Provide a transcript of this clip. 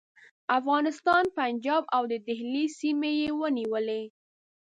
افغانستان، پنجاب او د دهلي سیمې یې ونیولې.